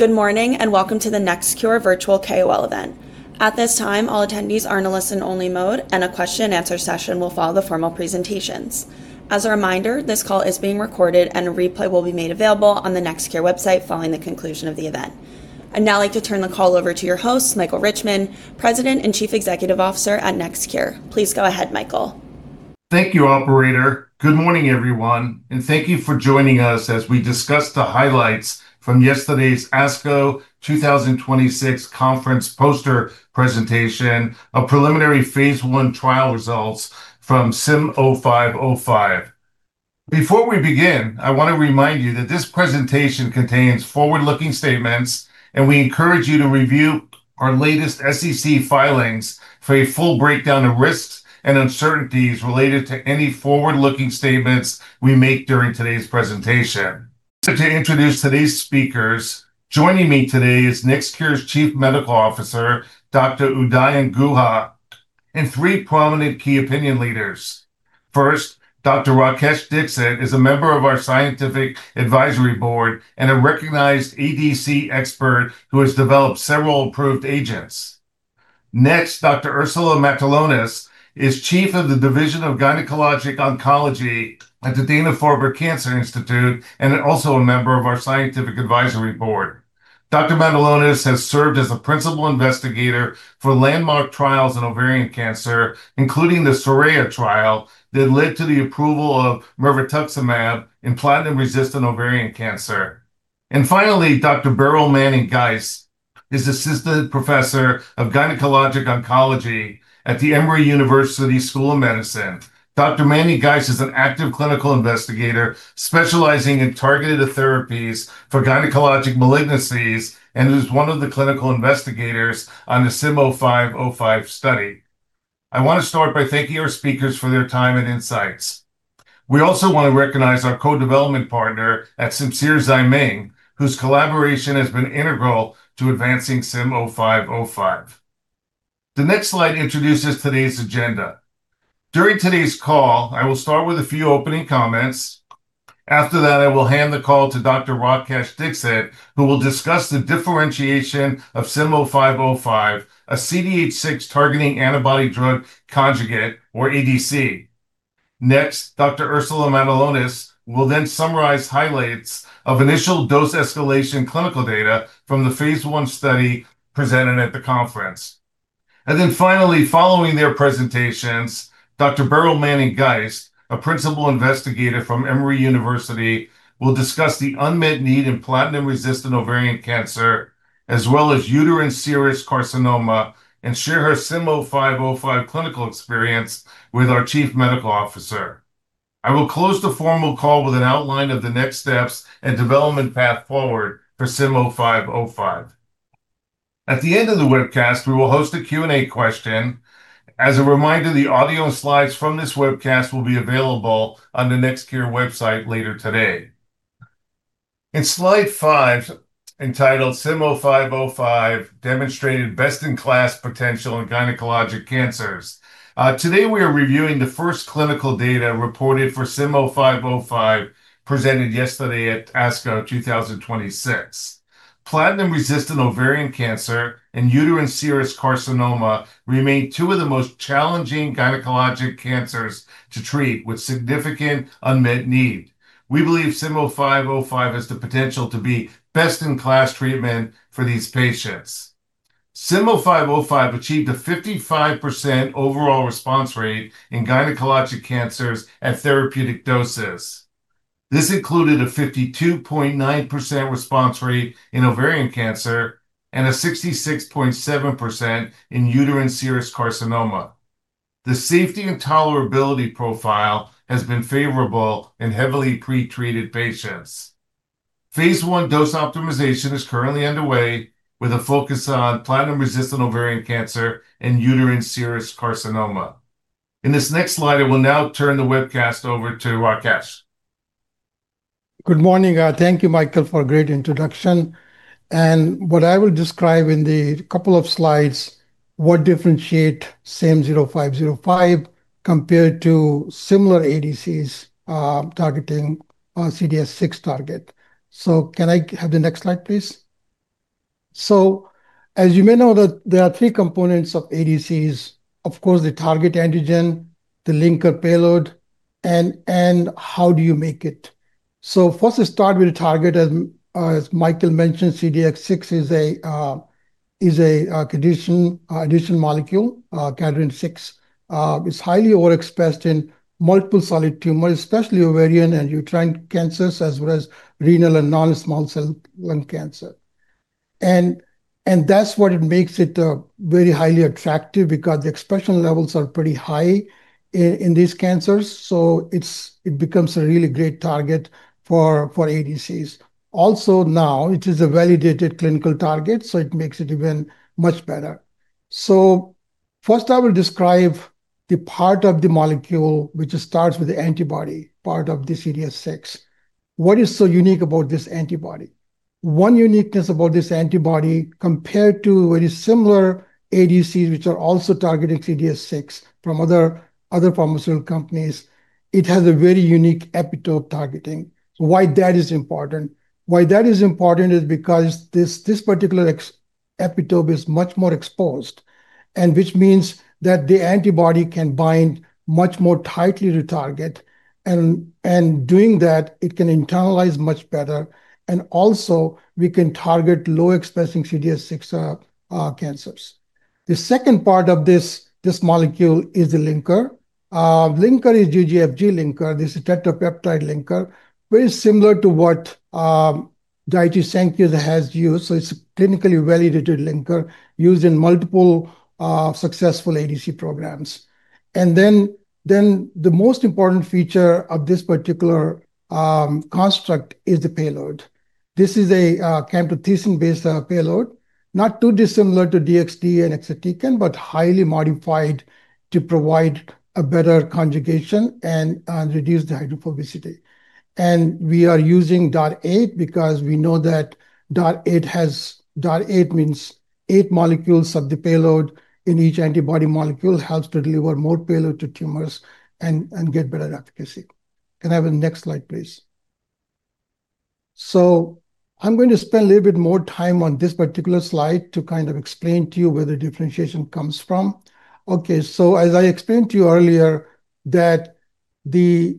Good morning, and welcome to the NextCure virtual KOL event. At this time, all attendees are in a listen-only mode, and a question and answer session will follow the formal presentations. As a reminder, this call is being recorded, and a replay will be made available on the NextCure website following the conclusion of the event. I'd now like to turn the call over to your host, Michael Richman, President and Chief Executive Officer at NextCure. Please go ahead, Michael. Thank you, operator. Good morning, everyone, thank you for joining us as we discuss the highlights from yesterday's ASCO 2026 conference poster presentation of preliminary phase I trial results from SIM0505. Before we begin, I want to remind you that this presentation contains forward-looking statements, and we encourage you to review our latest SEC filings for a full breakdown of risks and uncertainties related to any forward-looking statements we make during today's presentation. To introduce today's speakers, joining me today is NextCure's Chief Medical Officer, Dr. Udayan Guha, and three prominent key opinion leaders. First, Dr. Rakesh Dixit is a member of our scientific advisory board and a recognized ADC expert who has developed several approved agents. Next, Dr. Ursula Matulonis is Chief of the Division of Gynecologic Oncology at the Dana-Farber Cancer Institute and also a member of our scientific advisory board. Dr. Matulonis has served as a principal investigator for landmark trials in ovarian cancer, including the SORAYA trial that led to the approval of mirvetuximab in platinum-resistant ovarian cancer. Finally, Dr. Beryl Manning-Geist is Assistant Professor of Gynecologic Oncology at the Emory University School of Medicine. Dr. Manning-Geist is an active clinical investigator specializing in targeted therapies for gynecologic malignancies and is one of the clinical investigators on the SIM0505 study. I want to start by thanking our speakers for their time and insights. We also want to recognize our co-development partner at Simcere Zaiming, whose collaboration has been integral to advancing SIM0505. The next slide introduces today's agenda. During today's call, I will start with a few opening comments. After that, I will hand the call to Dr. Rakesh Dixit, who will discuss the differentiation of SIM0505, a CDH6 targeting antibody-drug conjugate, or ADC. Next, Dr. Ursula Matulonis will then summarize highlights of initial dose escalation clinical data from the phase I study presented at the conference. Finally, following their presentations, Dr. Beryl Manning-Geist, a principal investigator from Emory University, will discuss the unmet need in platinum-resistant ovarian cancer, as well as uterine serous carcinoma and share her SIM0505 clinical experience with our chief medical officer. I will close the formal call with an outline of the next steps and development path forward for SIM0505. At the end of the webcast, we will host a Q&A question. As a reminder, the audio slides from this webcast will be available on the NextCure website later today. In slide five, entitled SIM0505 Demonstrated Best-in-Class Potential in Gynecologic Cancers. Today we are reviewing the first clinical data reported for SIM0505 presented yesterday at ASCO 2026. Platinum-resistant ovarian cancer and uterine serous carcinoma remain two of the most challenging gynecologic cancers to treat, with significant unmet need. We believe SIM0505 has the potential to be best-in-class treatment for these patients. SIM0505 achieved a 55% overall response rate in gynecologic cancers at therapeutic doses. This included a 52.9% response rate in ovarian cancer and a 66.7% in uterine serous carcinoma. The safety and tolerability profile has been favorable in heavily pretreated patients. phase I dose optimization is currently underway, with a focus on platinum-resistant ovarian cancer and uterine serous carcinoma. In this next slide, I will now turn the webcast over to Rakesh. Good morning. Thank you, Michael, for a great introduction. What I will describe in the couple of slides what differentiate SIM0505 compared to similar ADCs targeting CDH6 target. Can I have the next slide, please? As you may know that there are three components of ADCs. Of course, the target antigen, the linker payload, and how do you make it? First, we start with the target. As Michael mentioned, CDH6 is a, cadherin, additional molecule, Cadherin-6. It's highly overexpressed in multiple solid tumors, especially ovarian and uterine cancers, as well as renal and non-small cell lung cancer. That's what it makes it very highly attractive because the expression levels are pretty high in these cancers. It becomes a really great target for ADCs. Also now it is a validated clinical target, it makes it even much better. First I will describe the part of the molecule which starts with the antibody part of the CDH6. What is so unique about this antibody? One uniqueness about this antibody compared to very similar ADCs, which are also targeting CDH6 from other pharmaceutical companies. It has a very unique epitope targeting. Why that is important is because this particular epitope is much more exposed, and which means that the antibody can bind much more tightly to target. Doing that, it can internalize much better. Also we can target low-expressing CDH6 cancers. The second part of this molecule is the linker. Linker is GGFG linker. This is tetrapeptide linker, very similar to what Daiichi Sankyo has used. It's a clinically validated linker used in multiple successful ADC programs. The most important feature of this particular construct is the payload. This is a camptothecin-based payload, not too dissimilar to DXd and exatecan, but highly modified to provide a better conjugation and reduce the hydrophobicity. We are using DAR8 because we know that DAR8 means eight molecules of the payload in each antibody molecule. It helps to deliver more payload to tumors and get better efficacy. Can I have the next slide, please? I'm going to spend a little bit more time on this particular slide to explain to you where the differentiation comes from. As I explained to you earlier that the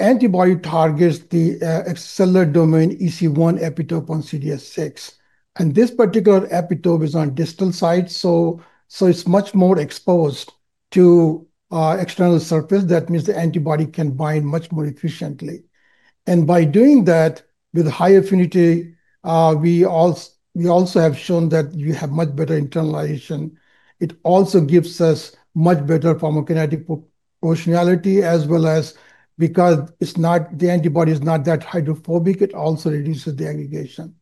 antibody targets the extracellular domain, EC1 epitope on CDH6, and this particular epitope is on distal side, so it's much more exposed to external surface. That means the antibody can bind much more efficiently. By doing that with high affinity, we also have shown that you have much better internalization. It also gives us much better pharmacokinetic proportionality as well as because the antibody is not that hydrophobic, it also reduces the aggregation.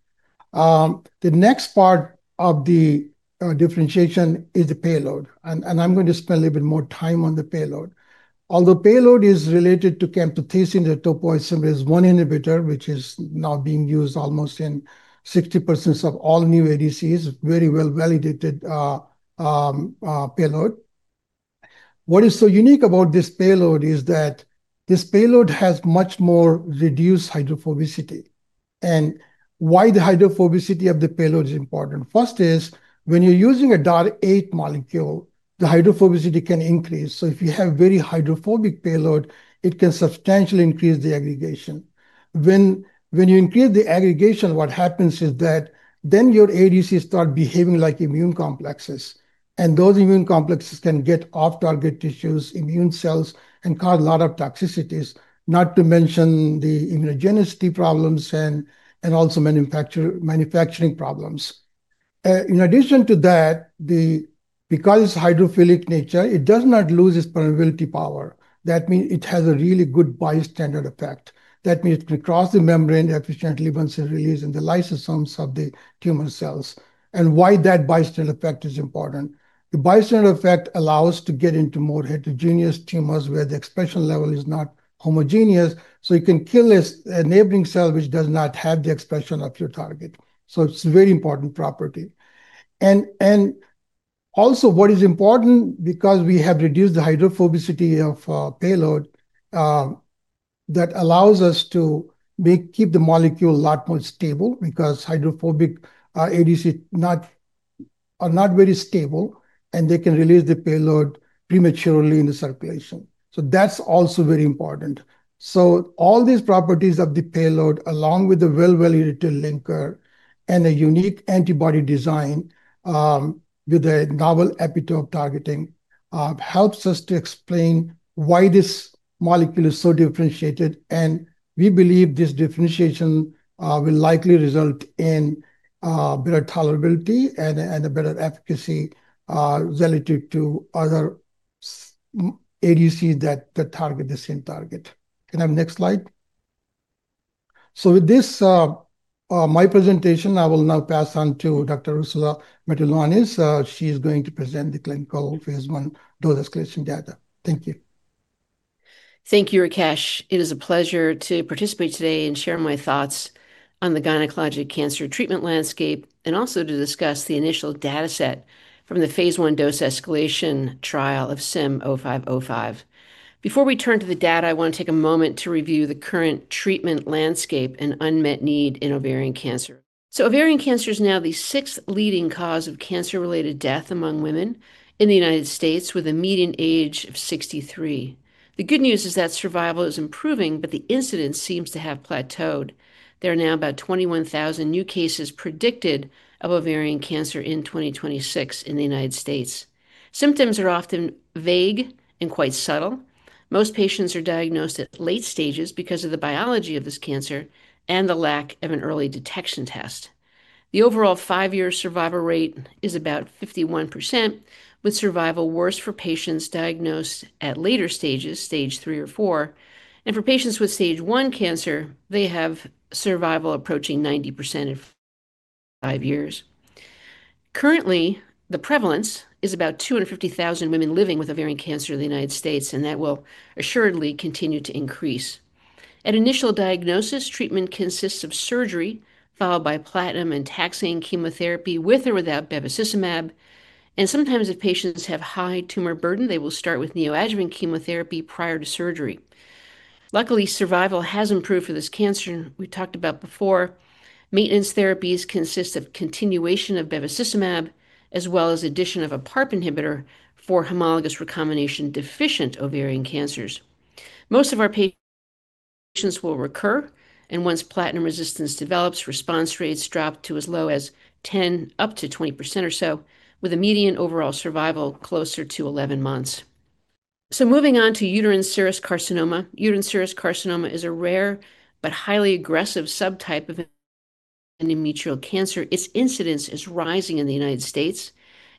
The next part of the differentiation is the payload, and I'm going to spend a little bit more time on the payload. Although payload is related to camptothecin, the topoisomerase I inhibitor, which is now being used almost in 60% of all new ADCs, very well-validated payload. What is so unique about this payload is that this payload has much more reduced hydrophobicity. Why the hydrophobicity of the payload is important? First is when you're using a DAR8 molecule, the hydrophobicity can increase. If you have very hydrophobic payload, it can substantially increase the aggregation. When you increase the aggregation, what happens is that your ADCs start behaving like immune complexes. Those immune complexes can get off-target tissues, immune cells, and cause a lot of toxicities, not to mention the immunogenicity problems and also manufacturing problems. In addition to that, because hydrophilic nature, it does not lose its permeability power. It has a really good bystander effect. It can cross the membrane efficiently once it releases the lysosomes of the tumor cells. Why that bystander effect is important? The bystander effect allows to get into more heterogeneous tumors where the expression level is not homogeneous. You can kill a neighboring cell, which does not have the expression of your target. It's a very important property. Also what is important, because we have reduced the hydrophobicity of payload, that allows us to keep the molecule a lot more stable because hydrophobic ADC are not very stable, and they can release the payload prematurely in the circulation. That's also very important. All these properties of the payload, along with the well-validated linker and a unique antibody design, with a novel epitope targeting, helps us to explain why this molecule is so differentiated. We believe this differentiation will likely result in better tolerability and a better efficacy relative to other ADCs that target the same target. Can I have next slide? With this, my presentation, I will now pass on to Dr. Ursula Matulonis. She is going to present the clinical phase I dose-escalation data. Thank you. Thank you, Rakesh. It is a pleasure to participate today and share my thoughts on the gynecologic cancer treatment landscape and also to discuss the initial data set from the phase I dose-escalation trial of SIM0505. Before we turn to the data, I want to take a moment to review the current treatment landscape and unmet need in ovarian cancer. Ovarian cancer is now the sixth leading cause of cancer-related death among women in the U.S., with a median age of 63. The good news is that survival is improving, but the incidence seems to have plateaued. There are now about 21,000 new cases predicted of ovarian cancer in 2026 in the U.S. Symptoms are often vague and quite subtle. Most patients are diagnosed at late stages because of the biology of this cancer and the lack of an early detection test. The overall five-year survival rate is about 51%, with survival worse for patients diagnosed at later stages, Stage 3 or 4. For patients with Stage 1 cancer, they have survival approaching 90% at five years. Currently, the prevalence is about 250,000 women living with ovarian cancer in the U.S., that will assuredly continue to increase. At initial diagnosis, treatment consists of surgery followed by platinum and taxane chemotherapy, with or without bevacizumab. Sometimes, if patients have high tumor burden, they will start with neoadjuvant chemotherapy prior to surgery. Luckily, survival has improved for this cancer. We talked about before, maintenance therapies consist of continuation of bevacizumab as well as addition of a PARP inhibitor for homologous recombination deficient ovarian cancers. Most of our patients will recur, and once platinum resistance develops, response rates drop to as low as 10% up to 20% or so, with a median overall survival closer to 11 months. Moving on to Uterine serous carcinoma. Uterine serous carcinoma is a rare but highly aggressive subtype of an endometrial cancer. Its incidence is rising in the U.S.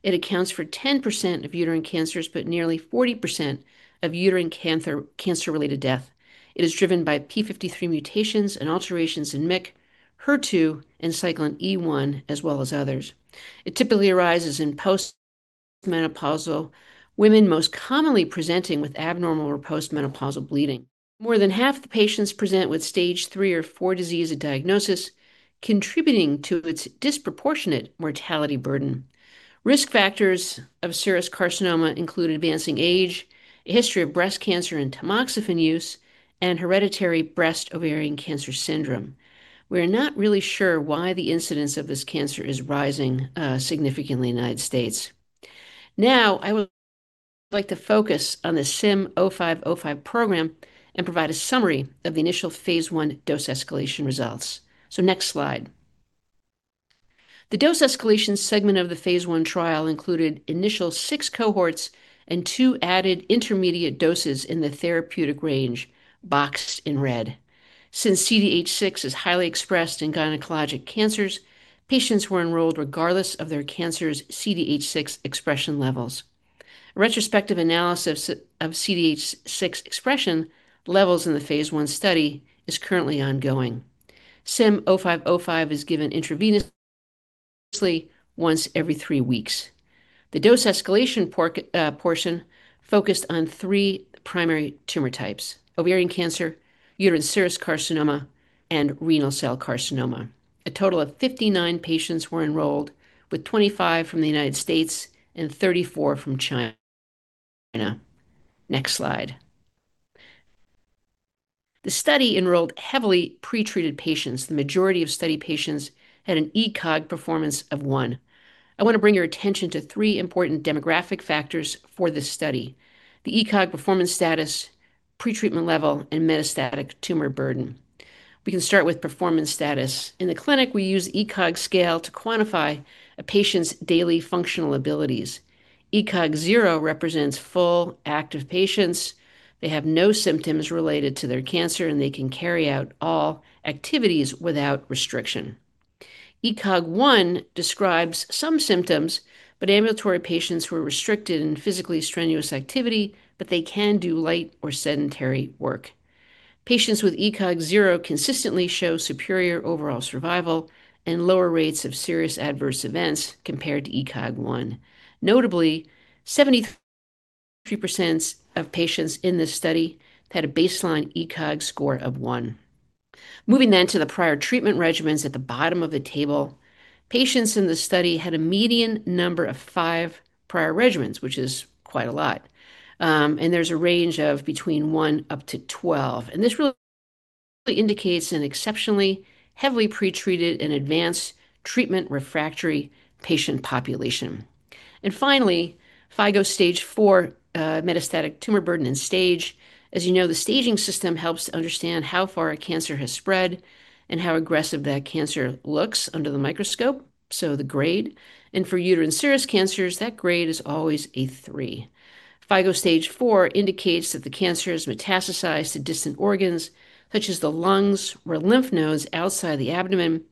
It accounts for 10% of uterine cancers, but nearly 40% of uterine cancer-related death. It is driven by P53 mutations and alterations in MYC, HER2, and Cyclin E1, as well as others. It typically arises in post-menopausal women, most commonly presenting with abnormal or post-menopausal bleeding. More than half the patients present with Stage III or IV disease at diagnosis, contributing to its disproportionate mortality burden. Risk factors of serous carcinoma include advancing age, a history of breast cancer and tamoxifen use, and hereditary breast ovarian cancer syndrome. We're not really sure why the incidence of this cancer is rising significantly in the U.S. I would like to focus on the SIM0505 program and provide a summary of the initial phase I dose escalation results. Next slide. The dose escalation segment of the phase I trial included initial six cohorts and two added intermediate doses in the therapeutic range, boxed in red. CDH6 is highly expressed in gynecologic cancers, patients were enrolled regardless of their cancer's CDH6 expression levels. A retrospective analysis of CDH6 expression levels in the phase I study is currently ongoing. SIM0505 is given intravenously once every three weeks. The dose escalation portion focused on three primary tumor types: ovarian cancer, uterine serous carcinoma, and renal cell carcinoma. A total of 59 patients were enrolled, with 25 from the U.S. and 34 from China. Next slide. The study enrolled heavily pretreated patients. The majority of study patients had an ECOG performance of one. I want to bring your attention to three important demographic factors for this study: the ECOG performance status, pretreatment level, and metastatic tumor burden. We can start with performance status. In the clinic, we use ECOG scale to quantify a patient's daily functional abilities. ECOG 0 represents full active patients. They have no symptoms related to their cancer, and they can carry out all activities without restriction. ECOG 1 describes some symptoms, but ambulatory patients who are restricted in physically strenuous activity, but they can do light or sedentary work. Patients with ECOG 0 consistently show superior overall survival and lower rates of serious adverse events compared to ECOG 1. Notably, 73% of patients in this study had a baseline ECOG score of 1. Moving to the prior treatment regimens at the bottom of the table. Patients in the study had a median number of five prior regimens, which is quite a lot. There's a range of between one up to 12. This really indicates an exceptionally heavily pretreated and advanced treatment-refractory patient population. Finally, FIGO Stage 4 metastatic tumor burden and stage. As you know, the staging system helps to understand how far a cancer has spread and how aggressive that cancer looks under the microscope, so the grade. For uterine serous cancers, that grade is always a three. FIGO Stage 4 indicates that the cancer has metastasized to distant organs, such as the lungs or lymph nodes outside the abdomen,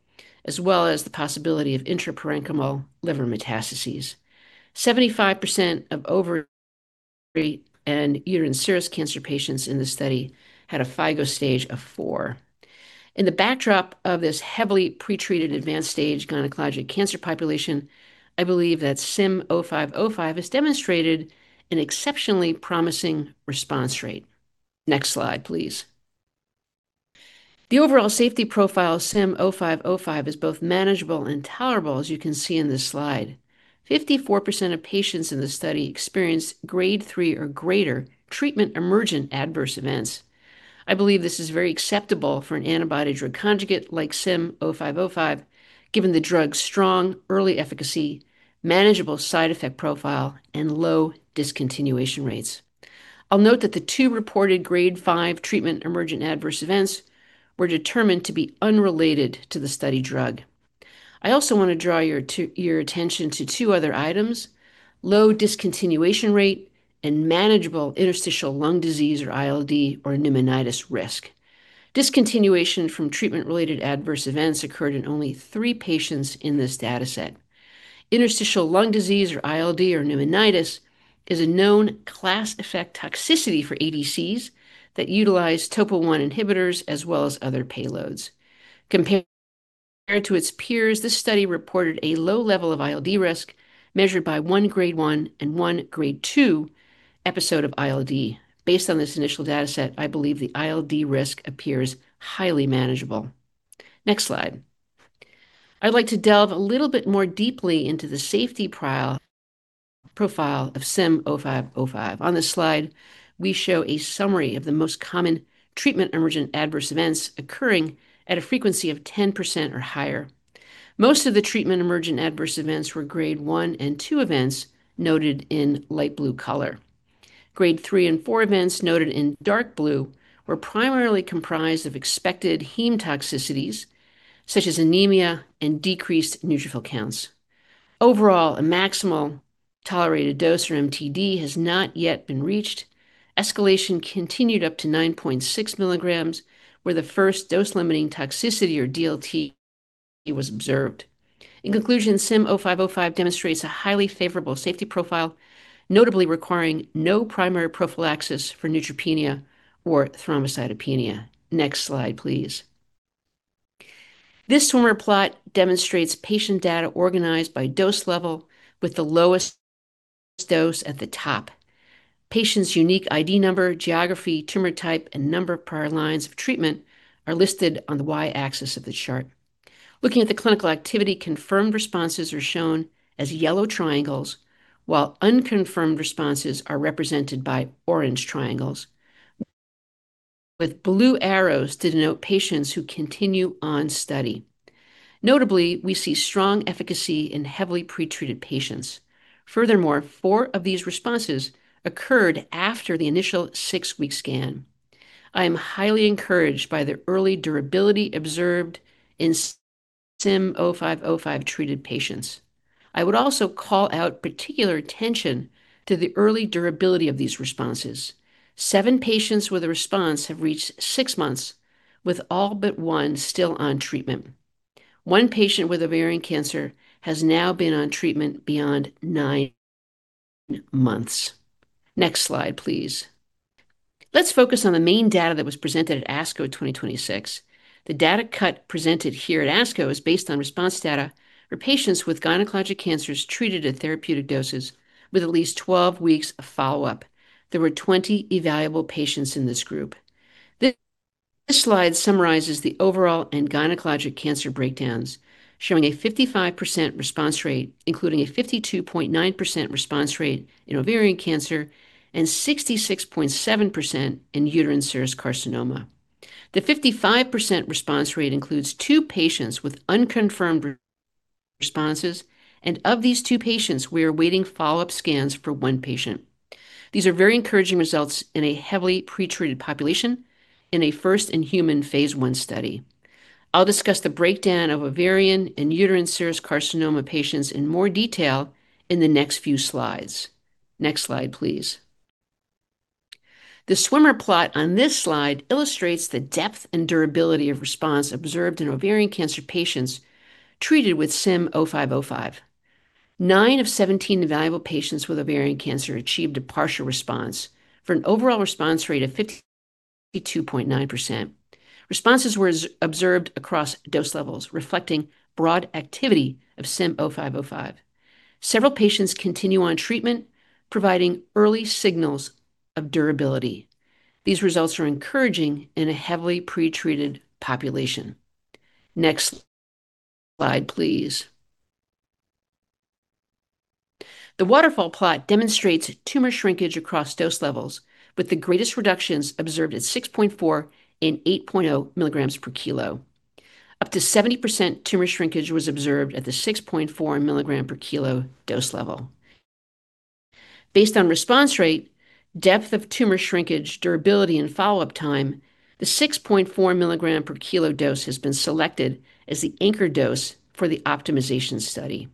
as well as the possibility of intraparenchymal liver metastases. 75% of ovary and uterine serous cancer patients in the study had a FIGO stage of 4. In the backdrop of this heavily pretreated advanced stage gynecologic cancer population, I believe that SIM0505 has demonstrated an exceptionally promising response rate. Next slide, please. The overall safety profile of SIM0505 is both manageable and tolerable, as you can see in this slide. 54% of patients in the study experienced Grade 3 or greater treatment-emergent adverse events. I believe this is very acceptable for an antibody drug conjugate like SIM0505, given the drug's strong early efficacy, manageable side effect profile, and low discontinuation rates. I'll note that the two reported Grade 5 treatment-emergent adverse events were determined to be unrelated to the study drug. I also want to draw your attention to two other items: low discontinuation rate and manageable interstitial lung disease, or ILD, or pneumonitis risk. Discontinuation from treatment-related adverse events occurred in only three patients in this dataset. Interstitial lung disease, or ILD, or pneumonitis is a known class effect toxicity for ADCs that utilize Topo1 inhibitors as well as other payloads. Compared to its peers, this study reported a low level of ILD risk measured by one Grade 1 and one Grade 2 episode of ILD. Based on this initial data set, I believe the ILD risk appears highly manageable. Next slide. I'd like to delve a little bit more deeply into the safety profile of SIM0505. On this slide, we show a summary of the most common treatment emergent adverse events occurring at a frequency of 10% or higher. Most of the treatment emergent adverse events were Grade 1 and 2 events noted in light blue color. Grade 3 and 4 events noted in dark blue were primarily comprised of expected heme toxicities, such as anemia and decreased neutrophil counts. Overall, a maximal tolerated dose, or MTD, has not yet been reached. Escalation continued up to 9.6 milligrams, where the first dose-limiting toxicity, or DLT, was observed. In conclusion, SIM0505 demonstrates a highly favorable safety profile, notably requiring no primary prophylaxis for neutropenia or thrombocytopenia. Next slide, please. This swimmer plot demonstrates patient data organized by dose level with the lowest dose at the top. Patient's unique ID number, geography, tumor type, and number of prior lines of treatment are listed on the y-axis of the chart. Looking at the clinical activity, confirmed responses are shown as yellow triangles, while unconfirmed responses are represented by orange triangles, with blue arrows to denote patients who continue on study. Notably, we see strong efficacy in heavily pre-treated patients. Furthermore, four of these responses occurred after the initial six-week scan. I am highly encouraged by the early durability observed in SIM0505-treated patients. I would also call out particular attention to the early durability of these responses. Seven patients with a response have reached six months, with all but one still on treatment. One patient with ovarian cancer has now been on treatment beyond nine months. Next slide, please. Let's focus on the main data that was presented at ASCO 2026. The data cut presented here at ASCO is based on response data for patients with gynecologic cancers treated at therapeutic doses with at least 12 weeks of follow-up. There were 20 evaluable patients in this group. This slide summarizes the overall and gynecologic cancer breakdowns, showing a 55% response rate, including a 52.9% response rate in ovarian cancer and 66.7% in uterine serous carcinoma. The 55% response rate includes two patients with unconfirmed responses, and of these two patients, we are awaiting follow-up scans for one patient. These are very encouraging results in a heavily pre-treated population in a first-in-human phase I study. I'll discuss the breakdown of ovarian and uterine serous carcinoma patients in more detail in the next few slides. Next slide, please. The swimmer plot on this slide illustrates the depth and durability of response observed in ovarian cancer patients treated with SIM0505. Nine of 17 evaluable patients with ovarian cancer achieved a partial response for an overall response rate of 52.9%. Responses were observed across dose levels, reflecting broad activity of SIM0505. Several patients continue on treatment, providing early signals of durability. These results are encouraging in a heavily pre-treated population. Next slide, please. The waterfall plot demonstrates tumor shrinkage across dose levels, with the greatest reductions observed at 6.4 mg and 8.0 mg per kilo. Up to 70% tumor shrinkage was observed at the 6.4 mg per kilo dose level. Based on response rate, depth of tumor shrinkage, durability, and follow-up time, the 6.4 mg per kilo dose has been selected as the anchor dose for the optimization study.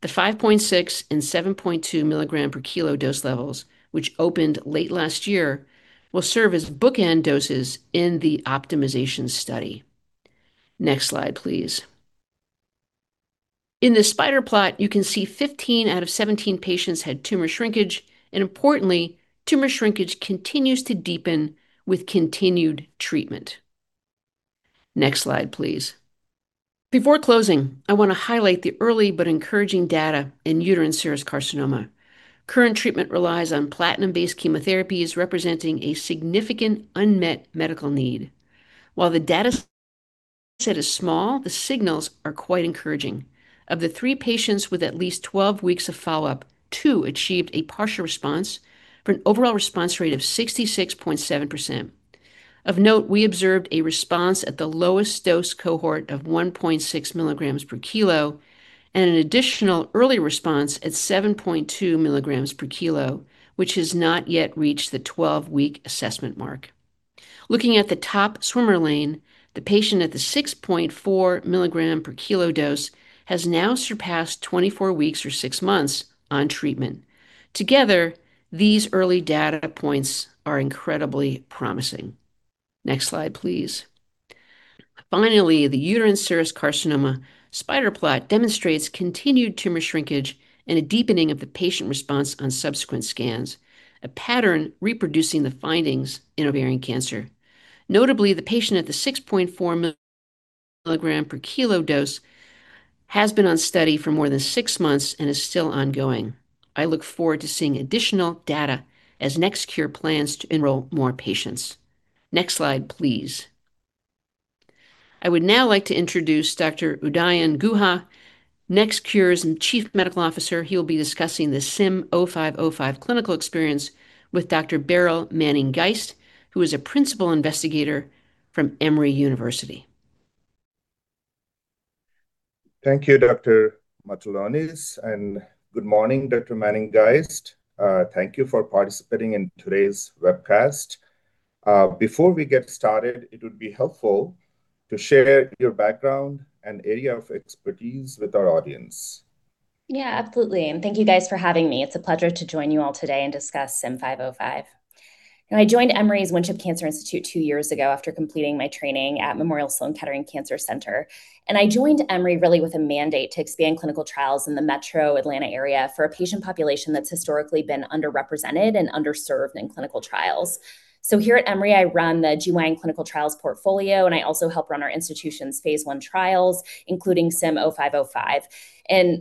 The 5.6 mg and 7.2 mg per kilo dose levels, which opened late last year, will serve as bookend doses in the optimization study. Next slide, please. In this spider plot, you can see 15 out of 17 patients had tumor shrinkage, and importantly, tumor shrinkage continues to deepen with continued treatment. Next slide, please. Before closing, I want to highlight the early but encouraging data in uterine serous carcinoma. Current treatment relies on platinum-based chemotherapies, representing a significant unmet medical need. While the data set is small, the signals are quite encouraging. Of the three patients with at least 12 weeks of follow-up, two achieved a partial response for an overall response rate of 66.7%. Of note, we observed a response at the lowest dose cohort of 1.6 mg per kilo and an additional early response at 7.2 mg per kilo, which has not yet reached the 12-week assessment mark. Looking at the top swimmer lane, the patient at the 6.4 mg per kilo dose has now surpassed 24 weeks or six months on treatment. Together, these early data points are incredibly promising. Next slide, please. Finally, the uterine serous carcinoma spider plot demonstrates continued tumor shrinkage and a deepening of the patient response on subsequent scans, a pattern reproducing the findings in ovarian cancer. Notably, the patient at the 6.4 mg per kilo dose has been on study for more than six months and is still ongoing. I look forward to seeing additional data as NextCure plans to enroll more patients. Next slide, please. I would now like to introduce Dr. Udayan Guha, NextCure's Chief Medical Officer. He'll be discussing the SIM0505 clinical experience with Dr. Beryl Manning-Geist, who is a Principal Investigator from Emory University. Thank you, Dr. Matulonis. Good morning, Dr. Manning-Geist. Thank you for participating in today's webcast. Before we get started, it would be helpful to share your background and area of expertise with our audience. Absolutely. Thank you guys for having me. It's a pleasure to join you all today and discuss SIM0505. I joined Emory's Winship Cancer Institute two years ago after completing my training at Memorial Sloan Kettering Cancer Center. I joined Emory really with a mandate to expand clinical trials in the metro Atlanta area for a patient population that's historically been underrepresented and underserved in clinical trials. Here at Emory, I run the GYN clinical trials portfolio, and I also help run our institution's phase I trials, including SIM0505.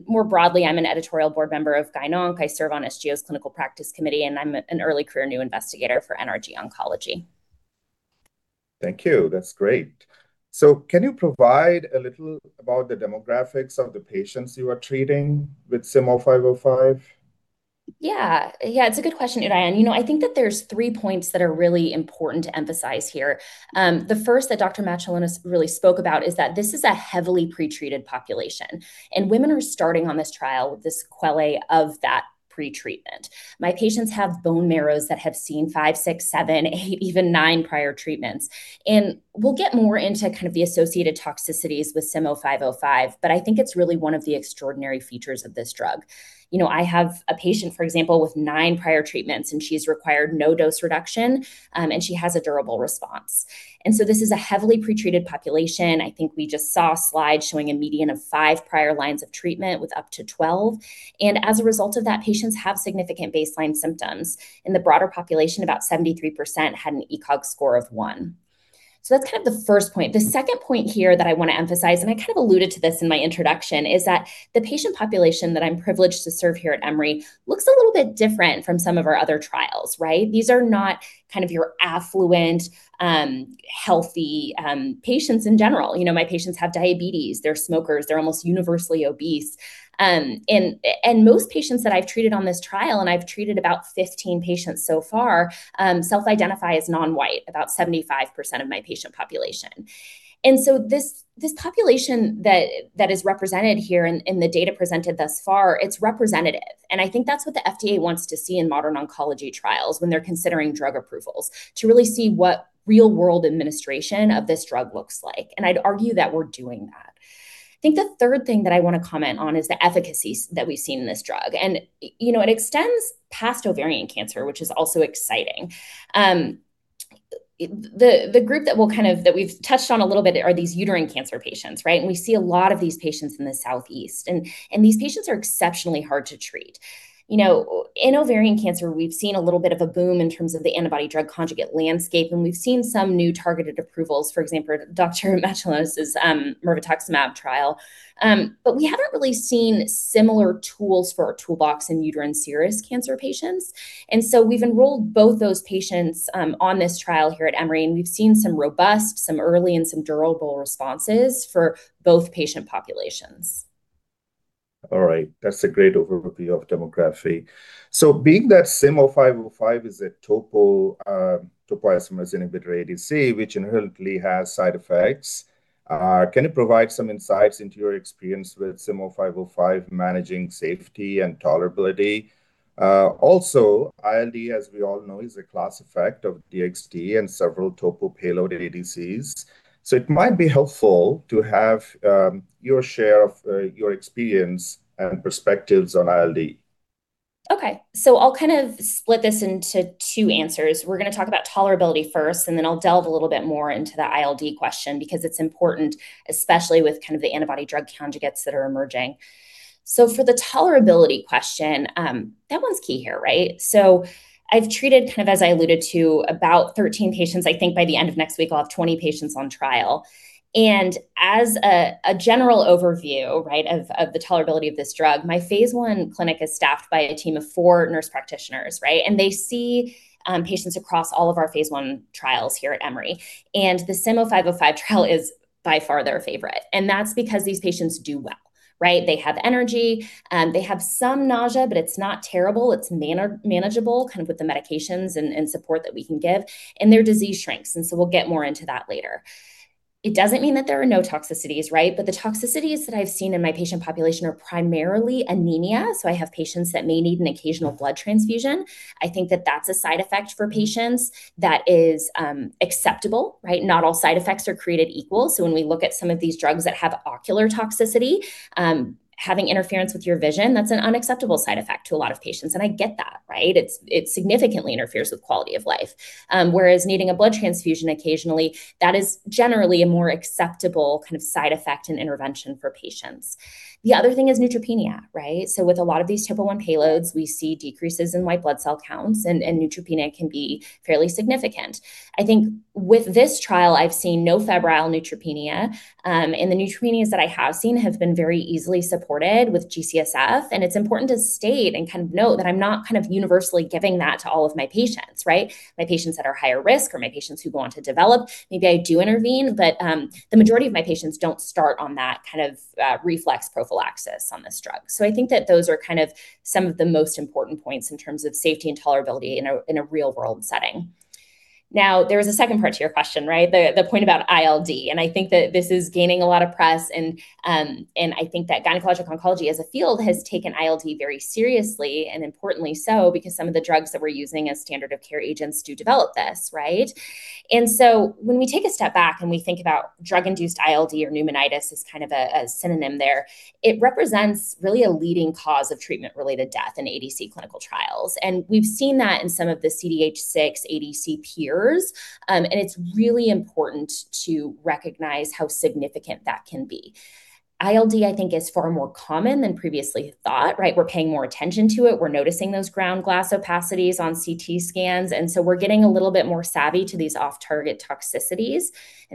More broadly, I'm an editorial board member of GYN-ONC, I serve on SGO's Clinical Practice Committee, and I'm an early career new investigator for NRG Oncology. Thank you. That's great. Can you provide a little about the demographics of the patients you are treating with SIM0505? Yeah. It's a good question, Udayan. I think that there's three points that are really important to emphasize here. The first that Dr. Matulonis really spoke about is that this is a heavily pretreated population, and women are starting on this trial with the sequelae of that pretreatment. My patients have bone marrows that have seen five, six, seven, eight, even nine prior treatments. We'll get more into kind of the associated toxicities with SIM0505, but I think it's really one of the extraordinary features of this drug. I have a patient, for example, with nine prior treatments, and she's required no dose reduction, and she has a durable response. This is a heavily pretreated population. I think we just saw a slide showing a median of five prior lines of treatment with up to 12. As a result of that, patients have significant baseline symptoms. In the broader population, about 73% had an ECOG score of 1. That's kind of the first point. The second point here that I want to emphasize, I kind of alluded to this in my introduction, is that the patient population that I'm privileged to serve here at Emory looks a little bit different from some of our other trials, right? These are not kind of your affluent, healthy patients in general. My patients have diabetes. They're smokers. They're almost universally obese. Most patients that I've treated on this trial, I've treated about 15 patients so far, self-identify as non-white, about 75% of my patient population. This population that is represented here in the data presented thus far, it's representative. I think that's what the FDA wants to see in modern oncology trials when they're considering drug approvals, to really see what real-world administration of this drug looks like, I'd argue that we're doing that. I think the third thing that I want to comment on is the efficacy that we've seen in this drug. It extends past ovarian cancer, which is also exciting. The group that we've touched on a little bit are these uterine cancer patients, right? We see a lot of these patients in the Southeast, and these patients are exceptionally hard to treat. In ovarian cancer, we've seen a little bit of a boom in terms of the antibody-drug conjugate landscape, and we've seen some new targeted approvals. For example, Dr. Matulonis's mirvetuximab trial. We haven't really seen similar tools for our toolbox in uterine serous cancer patients. We've enrolled both those patients on this trial here at Emory, and we've seen some robust, some early, and some durable responses for both patient populations. All right. That's a great overview of demography. Being that SIM0505 is a topoisomerase inhibitor ADC, which inherently has side effects, can you provide some insights into your experience with SIM0505 managing safety and tolerability? ILD, as we all know, is a class effect of DXd and several topo payload ADCs. It might be helpful to have your share of your experience and perspectives on ILD. I'll kind of split this into two answers. We're going to talk about tolerability first, and then I'll delve a little bit more into the ILD question because it's important, especially with kind of the antibody drug conjugates that are emerging. For the tolerability question, that one's key here, right? I've treated kind of as I alluded to, about 13 patients. I think by the end of next week, I'll have 20 patients on trial. As a general overview, right, of the tolerability of this drug, my phase I clinic is staffed by a team of four nurse practitioners, right? They see patients across all of our phase I trials here at Emory. The SIM0505 trial is by far their favorite, and that's because these patients do well, right? They have energy. They have some nausea, but it's not terrible. It's manageable kind of with the medications and support that we can give. Their disease shrinks, and so we'll get more into that later. It doesn't mean that there are no toxicities, right? The toxicities that I've seen in my patient population are primarily anemia, so I have patients that may need an occasional blood transfusion. I think that that's a side effect for patients that is acceptable, right? Not all side effects are created equal. When we look at some of these drugs that have ocular toxicity, having interference with your vision, that's an unacceptable side effect to a lot of patients, and I get that, right? It significantly interferes with quality of life. Whereas needing a blood transfusion occasionally, that is generally a more acceptable kind of side effect and intervention for patients. The other thing is neutropenia, right? With a lot of these Topo1 payloads, we see decreases in white blood cell counts, and neutropenia can be fairly significant. I think with this trial, I've seen no febrile neutropenia, and the neutropenias that I have seen have been very easily supported with G-CSF, and it's important to state and kind of note that I'm not kind of universally giving that to all of my patients, right? My patients that are higher risk or my patients who go on to develop, maybe I do intervene, but the majority of my patients don't start on that kind of reflex prophylaxis on this drug. I think that those are kind of some of the most important points in terms of safety and tolerability in a real-world setting. There was a second part to your question, right? The point about ILD, and I think that this is gaining a lot of press, and I think that Gynecologic Oncology as a field has taken ILD very seriously and importantly so because some of the drugs that we're using as standard of care agents do develop this, right? When we take a step back and we think about drug-induced ILD or pneumonitis as kind of a synonym there, it represents really a leading cause of treatment-related death in ADC clinical trials. We've seen that in some of the CDH6 ADC peers. It's really important to recognize how significant that can be. ILD, I think, is far more common than previously thought, right? We're paying more attention to it. We're noticing those ground glass opacities on CT scans, and so we're getting a little bit more savvy to these off-target toxicities.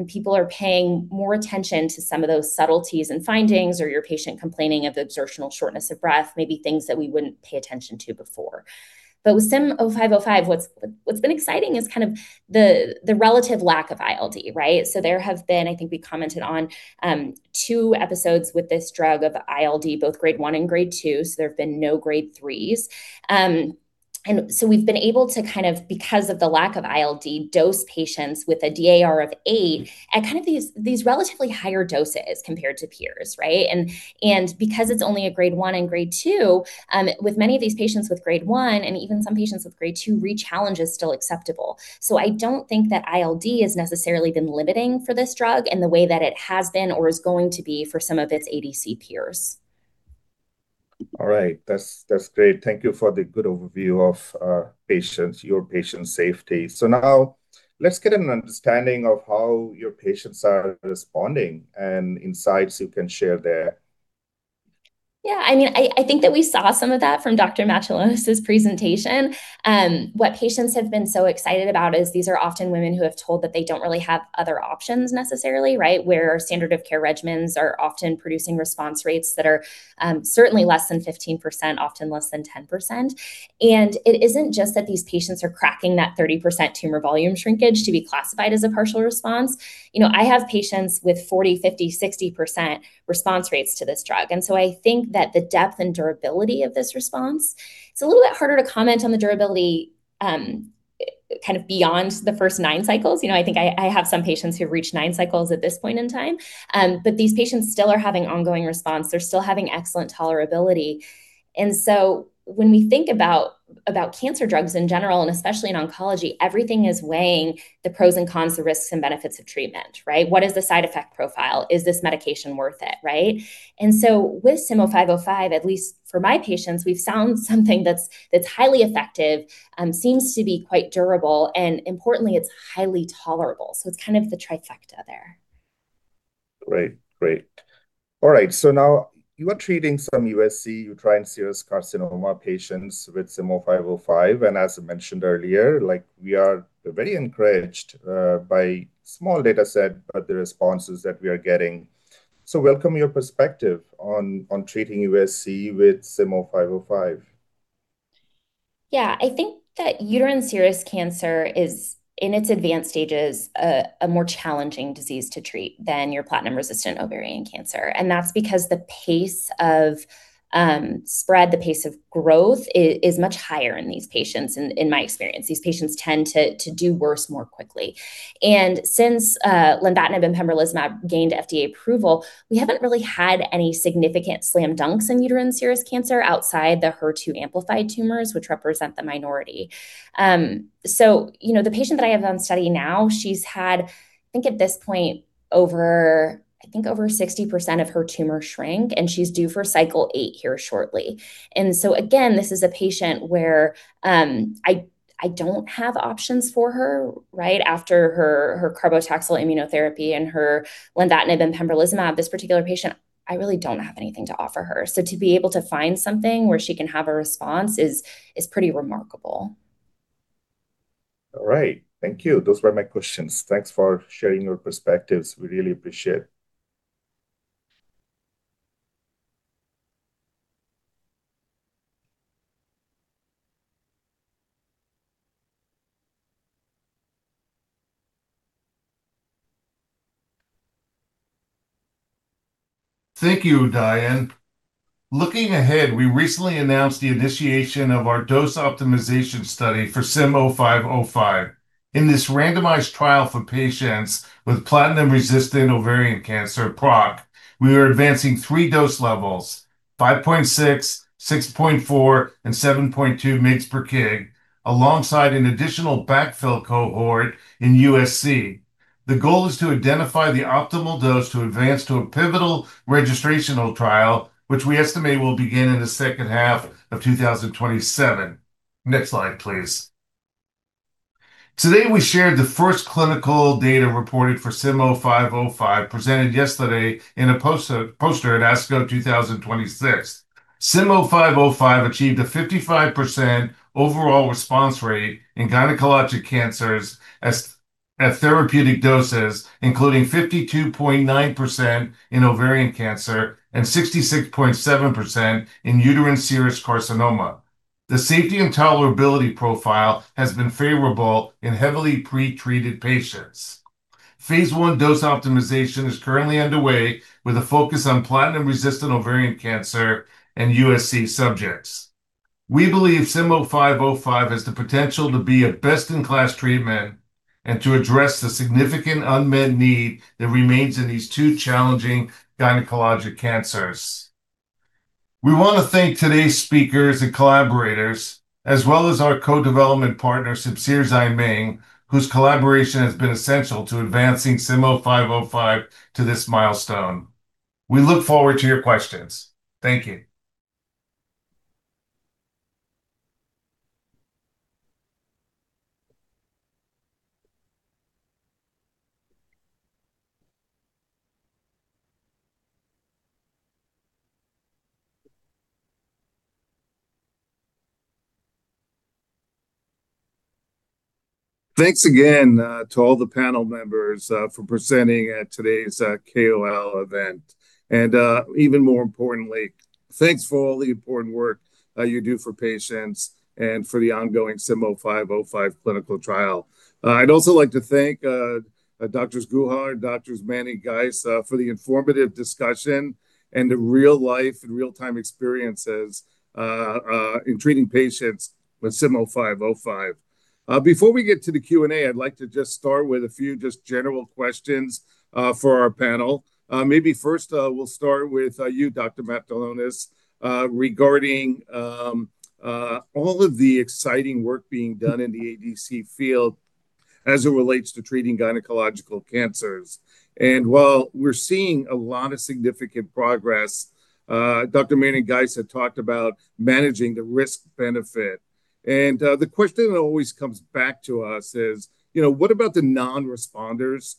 People are paying more attention to some of those subtleties and findings, or your patient complaining of exertional shortness of breath, maybe things that we wouldn't pay attention to before. With SIM0505, what's been exciting is kind of the relative lack of ILD, right? There have been, I think we commented on two episodes with this drug of ILD, both Grade 1 and Grade 2, so there have been no Grade 3s. We've been able to kind of, because of the lack of ILD, dose patients with a DAR of eight at kind of these relatively higher doses compared to peers, right? Because it's only a Grade 1 and Grade 2, with many of these patients with Grade 1 and even some patients with Grade 2, rechallenge is still acceptable. I don't think that ILD has necessarily been limiting for this drug in the way that it has been or is going to be for some of its ADC peers. All right. That's great. Thank you for the good overview of your patient safety. Now let's get an understanding of how your patients are responding and insights you can share there. Yeah. I think that we saw some of that from Dr. Matulonis' presentation. What patients have been so excited about is these are often women who have told that they don't really have other options necessarily, right? Where standard of care regimens are often producing response rates that are certainly less than 15%, often less than 10%. It isn't just that these patients are cracking that 30% tumor volume shrinkage to be classified as a partial response. I have patients with 40%, 50%, 60% response rates to this drug. I think that the depth and durability of this response, it's a little bit harder to comment on the durability kind of beyond the first nine cycles. I think I have some patients who've reached nine cycles at this point in time. These patients still are having ongoing response. They're still having excellent tolerability. When we think about cancer drugs in general, especially in oncology, everything is weighing the pros and cons, the risks and benefits of treatment, right? What is the side effect profile? Is this medication worth it, right? With SIM0505, at least for my patients, we've found something that's highly effective, seems to be quite durable, and importantly, it's highly tolerable. It's kind of the trifecta there. Great. All right, now you are treating some USC, uterine serous carcinoma, patients with SIM0505, and as I mentioned earlier, we are very encouraged by small data set, but the responses that we are getting. Welcome your perspective on treating USC with SIM0505. Yeah. I think that uterine serous cancer is, in its advanced stages, a more challenging disease to treat than your platinum-resistant ovarian cancer. That's because the pace of spread, the pace of growth, is much higher in these patients, in my experience. These patients tend to do worse more quickly. Since lenvatinib and pembrolizumab gained FDA approval, we haven't really had any significant slam dunks in uterine serous cancer outside the HER2-amplified tumors, which represent the minority. The patient that I have on study now, she's had, I think at this point, I think over 60% of her tumor shrank, and she's due for cycle 8 here shortly. Again, this is a patient where I don't have options for her right after her carboplatin immunotherapy and her lenvatinib and pembrolizumab. This particular patient, I really don't have anything to offer her. To be able to find something where she can have a response is pretty remarkable. All right. Thank you. Those were my questions. Thanks for sharing your perspectives. We really appreciate. Thank you, Udayan. Looking ahead, we recently announced the initiation of our dose optimization study for SIM0505. In this randomized trial for patients with platinum-resistant ovarian cancer, PROC, we are advancing three dose levels: 5.6 mg 6.4 mg, and 7.2 mgs per kg, alongside an additional backfill cohort in USC. The goal is to identify the optimal dose to advance to a pivotal registrational trial, which we estimate will begin in the second half of 2027. Next slide, please. Today, we shared the first clinical data reported for SIM0505, presented yesterday in a poster at ASCO 2026. SIM0505 achieved a 55% overall response rate in gynecologic cancers at therapeutic doses, including 52.9% in ovarian cancer and 66.7% in uterine serous carcinoma. The safety and tolerability profile has been favorable in heavily pre-treated patients. Phase I dose optimization is currently underway with a focus on platinum-resistant ovarian cancer and USC subjects. We believe SIM0505 has the potential to be a best-in-class treatment and to address the significant unmet need that remains in these two challenging gynecologic cancers. We want to thank today's speakers and collaborators, as well as our co-development partner, Simcere Zaiming, whose collaboration has been essential to advancing SIM0505 to this milestone. We look forward to your questions. Thank you. Thanks again to all the panel members for presenting at today's KOL event. Even more importantly, thanks for all the important work you do for patients and for the ongoing SIM0505 clinical trial. I'd also like to thank Doctors Guha and Doctors Manning-Geist for the informative discussion and the real-life and real-time experiences in treating patients with SIM0505. Before we get to the Q&A, I'd like to just start with a few just general questions for our panel. Maybe first we'll start with you, Dr. Matulonis, regarding all of the exciting work being done in the ADC field as it relates to treating gynecologic cancers. While we're seeing a lot of significant progress, Dr. Manning-Geist had talked about managing the risk-benefit. The question that always comes back to us is, what about the non-responders?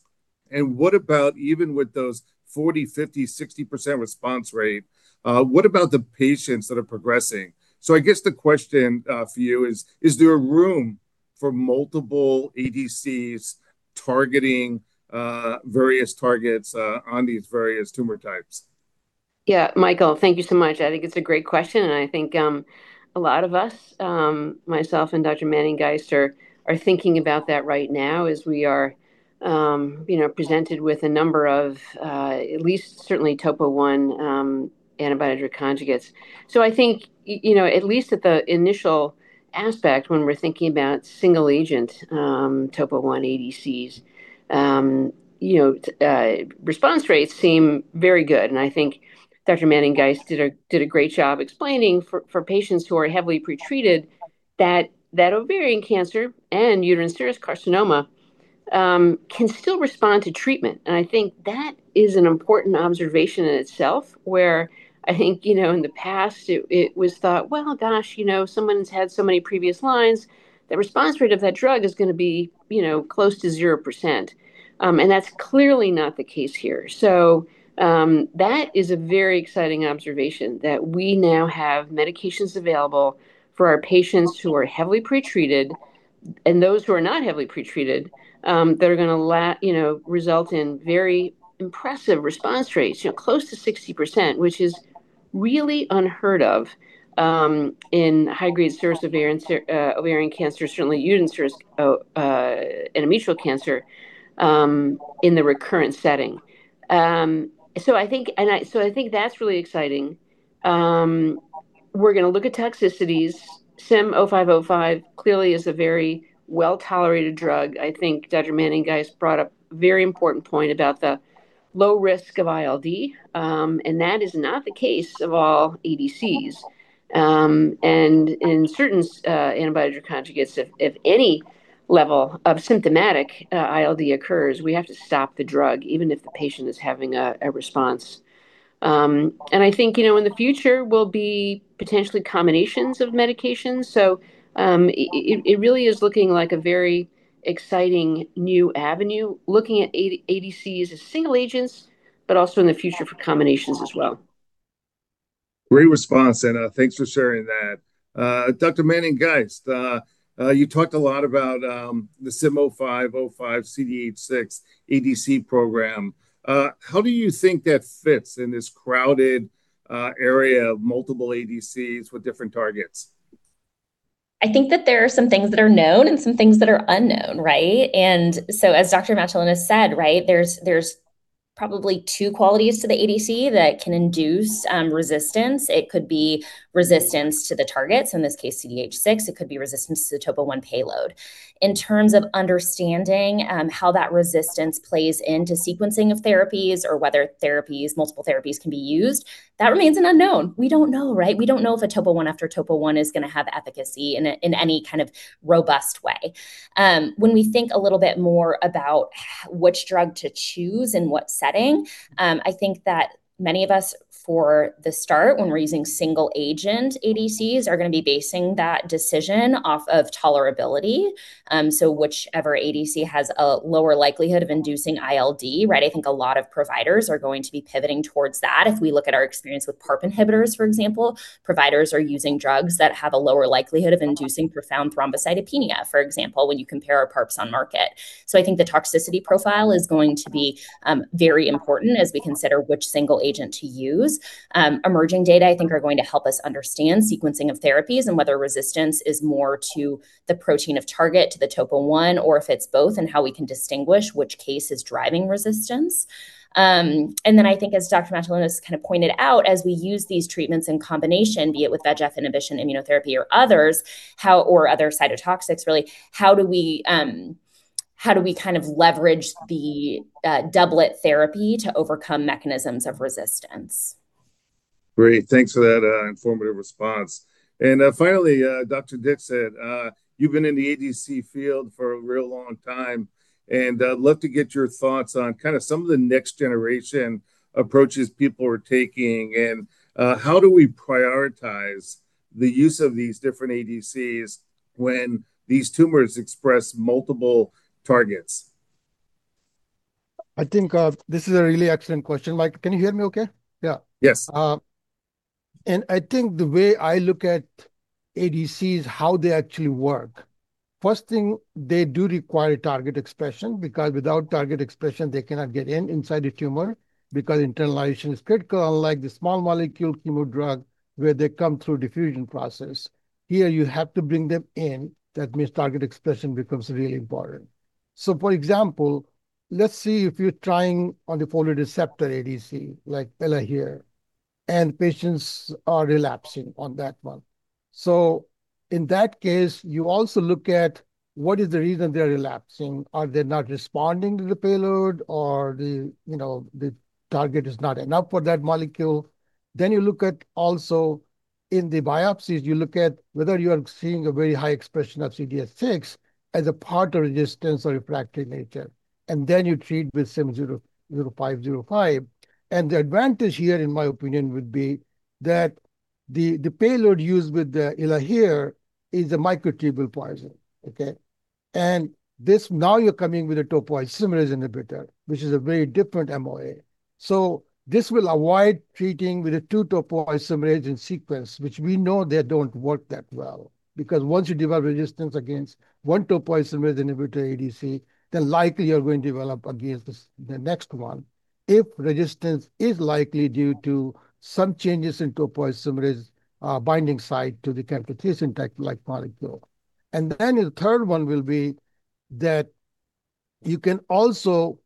What about even with those 40%, 50%, 60% response rate, what about the patients that are progressing? I guess the question for you is: Is there room for multiple ADCs targeting various targets on these various tumor types? Yeah, Michael, thank you so much. I think it's a great question, and I think a lot of us, myself and Dr. Manning-Geist are thinking about that right now as we are presented with a number of at least certainly Topo1 antibody-drug conjugates. I think, at least at the initial aspect when we're thinking about single agent Topo1 ADCs, response rates seem very good. I think Dr. Manning-Geist did a great job explaining for patients who are heavily pretreated, that ovarian cancer and uterine serous carcinoma can still respond to treatment. I think that is an important observation in itself, where I think, in the past, it was thought, "Well, gosh, someone's had so many previous lines, the response rate of that drug is going to be close to 0%." That's clearly not the case here. That is a very exciting observation that we now have medications available for our patients who are heavily pretreated and those who are not heavily pretreated, that are going to result in very impressive response rates, close to 60%, which is really unheard of in high-grade serous ovarian cancer, certainly uterine serous endometrial cancer, in the recurrent setting. I think that's really exciting. We're going to look at toxicities. SIM0505 clearly is a very well-tolerated drug. I think Dr. Manning-Geist brought up a very important point about the low risk of ILD, and that is not the case of all ADCs. In certain antibody conjugates, if any level of symptomatic ILD occurs, we have to stop the drug, even if the patient is having a response. I think, in the future will be potentially combinations of medications. It really is looking like a very exciting new avenue. Looking at ADCs as single agents, but also in the future for combinations as well. Great response. Thanks for sharing that. Dr. Manning-Geist, you talked a lot about the SIM0505 CDH6 ADC program. How do you think that fits in this crowded area of multiple ADCs with different targets? I think that there are some things that are known and some things that are unknown, right? As Dr. Matulonis said, there's probably two qualities to the ADC that can induce resistance. It could be resistance to the targets, in this case CDH6. It could be resistance to the Topo1 payload. In terms of understanding how that resistance plays into sequencing of therapies or whether multiple therapies can be used, that remains an unknown. We don't know. We don't know if a Topo1 after Topo1 is going to have efficacy in any kind of robust way. When we think a little bit more about which drug to choose and what setting, I think that many of us for the start, when we're using single agent ADCs, are going to be basing that decision off of tolerability. Whichever ADC has a lower likelihood of inducing ILD, I think a lot of providers are going to be pivoting towards that. If we look at our experience with PARP inhibitors, for example, providers are using drugs that have a lower likelihood of inducing profound thrombocytopenia, for example, when you compare our PARPs on market. I think the toxicity profile is going to be very important as we consider which single agent to use. Emerging data, I think, are going to help us understand sequencing of therapies and whether resistance is more to the protein of target to the Topo1, or if it's both, and how we can distinguish which case is driving resistance. I think as Dr. Matulonis kind of pointed out, as we use these treatments in combination, be it with VEGF inhibition immunotherapy or others, or other cytotoxics really. How do we leverage the doublet therapy to overcome mechanisms of resistance? Great. Thanks for that informative response. Finally, Dr. Dixit, you've been in the ADC field for a real long time, and I'd love to get your thoughts on some of the next generation approaches people are taking, and how do we prioritize the use of these different ADCs when these tumors express multiple targets? I think this is a really excellent question, Mike. Can you hear me okay? Yeah. Yes. I think the way I look at ADCs, how they actually work. First thing, they do require target expression because without target expression, they cannot get in inside the tumor because internalization is critical, unlike the small molecule chemo drug, where they come through diffusion process. Here, you have to bring them in. That means target expression becomes really important. For example, let's see if you're trying on the folate receptor ADC, like ELAHERE, and patients are relapsing on that one. In that case, you also look at what is the reason they're relapsing. Are they not responding to the payload, or the target is not enough for that molecule? You look at, also in the biopsies, you look at whether you are seeing a very high expression of CDH6 as a part of resistance or refractory nature. You treat with SIM0505. The advantage here, in my opinion, would be that the payload used with the ELAHERE is a microtubule poison. Okay. Now you're coming with a topoisomerase inhibitor, which is a very different MOA. This will avoid treating with a two topoisomerase in sequence, which we know they don't work that well, because once you develop resistance against one topoisomerase inhibitor ADC, then likely you're going to develop against the next one. If resistance is likely due to some changes in topoisomerase binding site to the camptothecin-type-like molecule. The third one will be that you can also,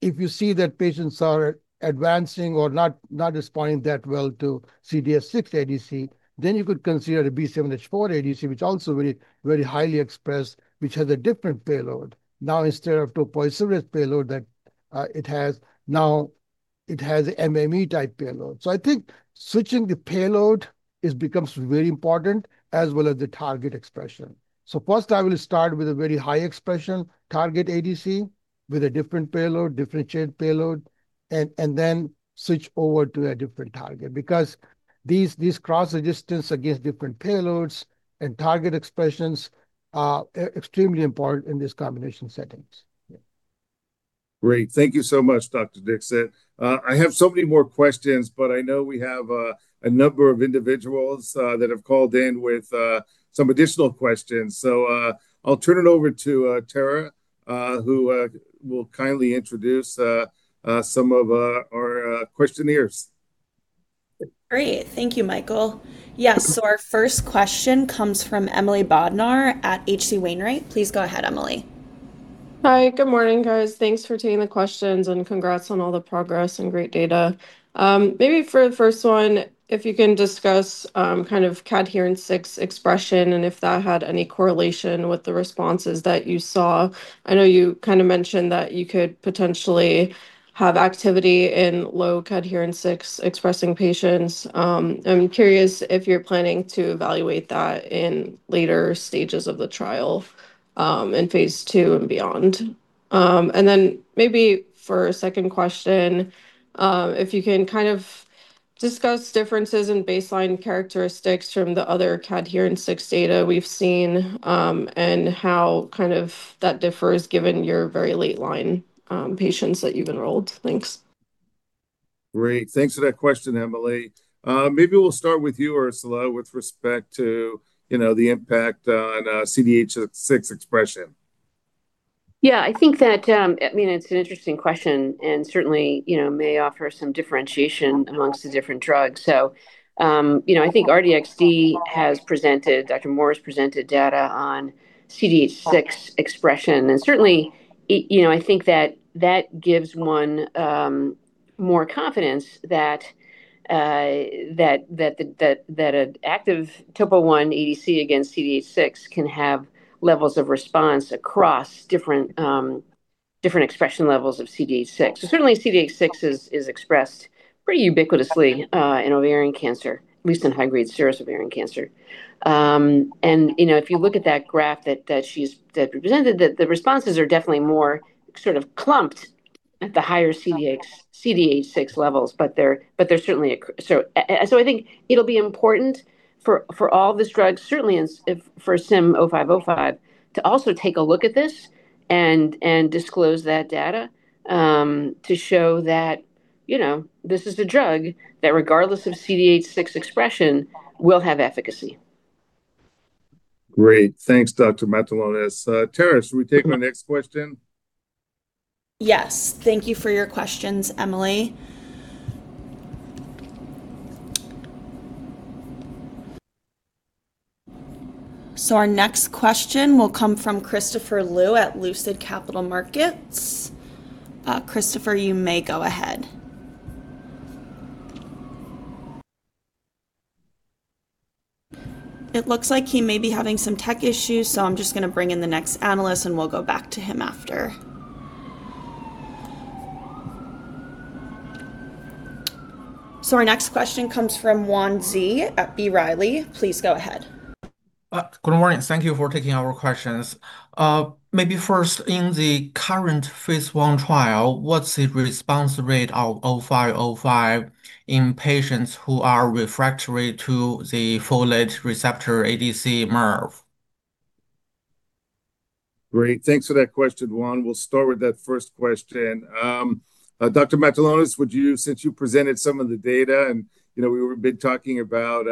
if you see that patients are advancing or not responding that well to CDH6 ADC, then you could consider a B7-H4 ADC, which also very highly expressed, which has a different payload. Now instead of topoisomerase payload that it has, now it has MMAE-type payload. I think switching the payload becomes very important as well as the target expression. First I will start with a very high expression target ADC with a different payload, differentiated payload, and then switch over to a different target. These cross-resistance against different payloads and target expressions are extremely important in these combination settings. Yeah. Great. Thank you so much, Dr. Dixit. I have so many more questions, but I know we have a number of individuals that have called in with some additional questions. I'll turn it over to Tara, who will kindly introduce some of our questioners. Great. Thank you, Michael. Yes, our first question comes from Emily Bodnar at H.C. Wainwright. Please go ahead, Emily. Hi. Good morning, guys. Thanks for taking the questions and congrats on all the progress and great data. Maybe for the first one, if you can discuss Cadherin-6 expression and if that had any correlation with the responses that you saw. I know you mentioned that you could potentially have activity in low Cadherin-6-expressing patients. I'm curious if you're planning to evaluate that in later stages of the trial, in phase II and beyond. Maybe for a second question, if you can discuss differences in baseline characteristics from the other Cadherin-6 data we've seen, and how that differs given your very late-line patients that you've enrolled. Thanks. Great. Thanks for that question, Emily. Maybe we'll start with you, Ursula, with respect to the impact on CDH6 expression. I think that it's an interesting question, certainly may offer some differentiation amongst the different drugs. I think R-DXd has presented, Dr. Moore has presented data on CDH6 expression. Certainly, I think that gives one more confidence that an active Topo1 ADC against CDH6 can have levels of response across different expression levels of CDH6. Certainly CDH6 is expressed pretty ubiquitously in ovarian cancer, at least in high-grade serous ovarian cancer. If you look at that graph that she's represented, the responses are definitely more sort of clumped at the higher CDH6 levels. I think it'll be important for all these drugs, certainly and for SIM0505, to also take a look at this and disclose that data, to show that this is a drug that, regardless of CDH6 expression, will have efficacy. Great. Thanks, Dr. Matulonis. Tara, should we take our next question? Yes. Thank you for your questions, Emily. Our next question will come from Christopher Liu at Lucid Capital Markets. Christopher, you may go ahead. It looks like he may be having some tech issues, so I am just going to bring in the next analyst, and we will go back to him after. Our next question comes from Yuan Zhi at B. Riley. Please go ahead. Good morning. Thank you for taking our questions. Maybe first, in the current phase I trial, what's the response rate of 0505 in patients who are refractory to the folate receptor ADC mirv? Great. Thanks for that question, Yuan. We'll start with that first question. Dr. Matulonis, since you presented some of the data, and we've been talking about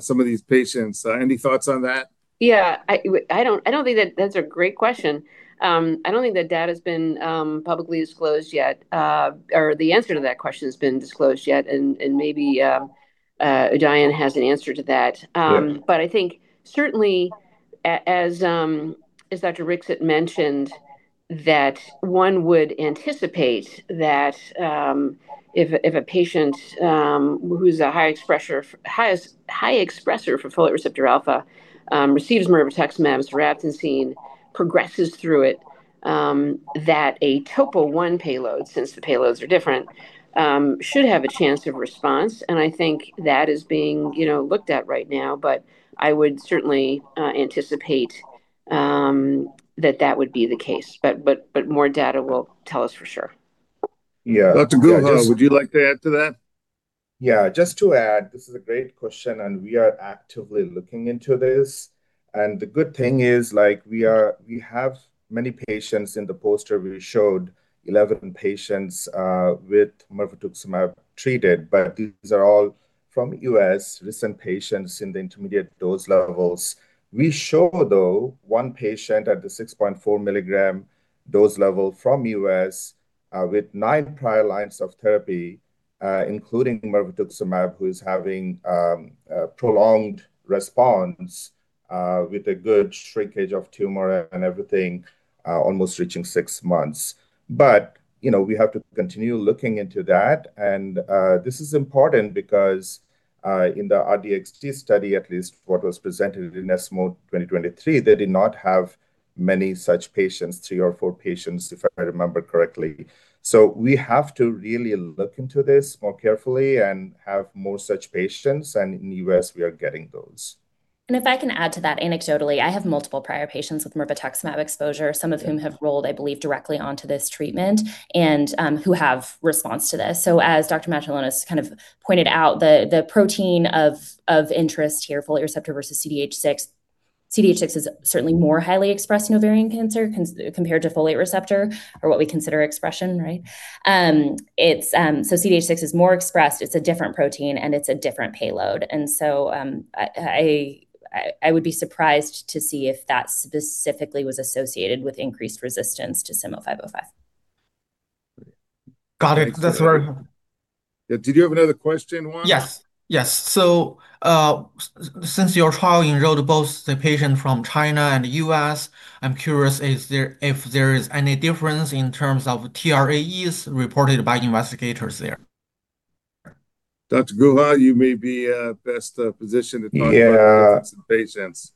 some of these patients, any thoughts on that? Yeah. I think that's a great question. I don't think that data has been publicly disclosed yet, or the answer to that question has been disclosed yet, and maybe Udayan has an answer to that. Yeah. I think certainly, as Dr. Dixit mentioned, that one would anticipate that if a patient who's a high expresser for Folate receptor alpha receives mirvetuximab soravtansine progresses through it, that a Topo1 payload, since the payloads are different, should have a chance of response. I think that is being looked at right now, but I would certainly anticipate that that would be the case. More data will tell us for sure. Yeah. Dr. Guha, would you like to add to that? Yeah. Just to add, this is a great question. We are actively looking into this. The good thing is we have many patients. In the poster, we showed 11 patients with mirvetuximab treated, but these are all from U.S., recent patients in the intermediate dose levels. We show, though, one patient at the 6.4 mg dose level from U.S. with nine prior lines of therapy, including mirvetuximab, who is having a prolonged response with a good shrinkage of tumor and everything, almost reaching six months. We have to continue looking into that. This is important because in the R-DXd study, at least what was presented in ESMO 2023, they did not have many such patients, three or four patients, if I remember correctly. We have to really look into this more carefully and have more such patients. In the U.S., we are getting those. If I can add to that anecdotally, I have multiple prior patients with mirvetuximab exposure, some of whom have rolled, I believe, directly onto this treatment and who have response to this. As Dr. Matulonis kind of pointed out, the protein of interest here, folate receptor versus CDH6. CDH6 is certainly more highly expressed in ovarian cancer compared to folate receptor or what we consider expression, right? CDH6 is more expressed, it's a different protein, and it's a different payload. I would be surprised to see if that specifically was associated with increased resistance to SIM0505. Got it. That's very helpful. Did you have another question, Yuan? Yes. Since your trial enrolled both the patient from China and the U.S., I'm curious if there is any difference in terms of TRAEs reported by investigators there? Dr. Guha, you may be best positioned to talk about. Yeah. The patients.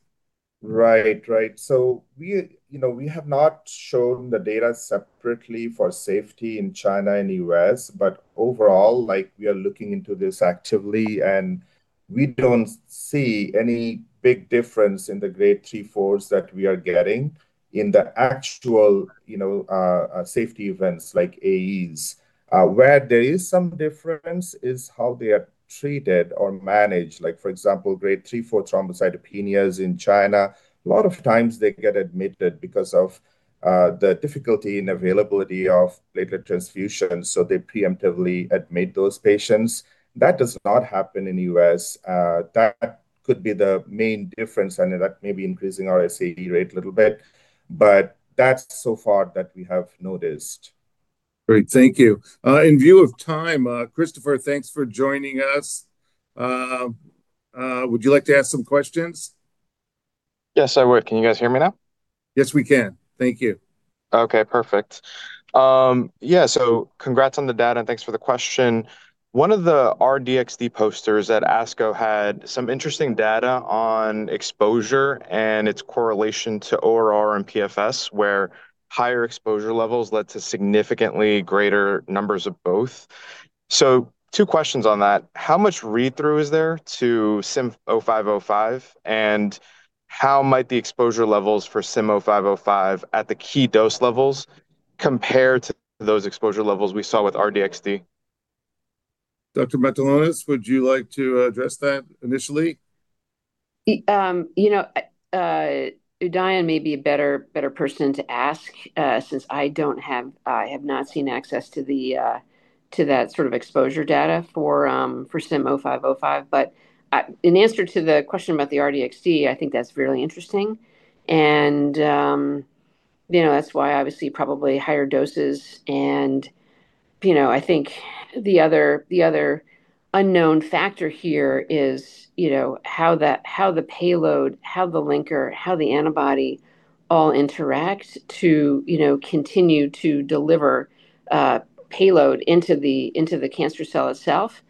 Right. We have not shown the data separately for safety in China and U.S. Overall, we are looking into this actively, and we don't see any big difference in the Grade 3, 4s that we are getting in the actual safety events like AEs. Where there is some difference is how they are treated or managed. Like for example, Grade 3, 4 thrombocytopenias in China, a lot of times they get admitted because of the difficulty and availability of platelet transfusions, so they preemptively admit those patients. That does not happen in the U.S. That could be the main difference, and that may be increasing our SAE rate a little bit. That's so far that we have noticed. Great. Thank you. In view of time, Christopher, thanks for joining us. Would you like to ask some questions? Yes, I would. Can you guys hear me now? Yes, we can. Thank you. Okay, perfect. Yeah. Congrats on the data, and thanks for the question. One of the R-Dxd posters at ASCO had some interesting data on exposure and its correlation to ORR and PFS, where higher exposure levels led to significantly greater numbers of both. Two questions on that. How much read-through is there to SIM0505, and how might the exposure levels for SIM0505 at the key dose levels compare to those exposure levels we saw with R-Dxd? Dr. Matulonis, would you like to address that initially? Udayan may be a better person to ask, since I have not seen access to that sort of exposure data for SIM0505. In answer to the question about the R-Dxd, I think that's really interesting. That's why obviously probably higher doses, and I think the other unknown factor here is how the payload, how the linker, how the antibody all interact to continue to deliver payload into the cancer cell itself.